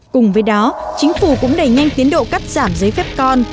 cùng với đó chính phủ cũng đẩy nhanh tiến độ cắt giảm giấy phép con